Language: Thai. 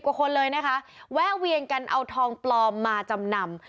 กว่าคนเลยนะคะแวะเวียนกันเอาทองปลอมมาจำนำ